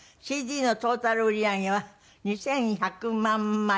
ＣＤのトータル売り上げは２１００万枚以上という。